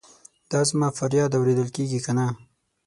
دا زما فریاد اورېدل کیږي کنه؟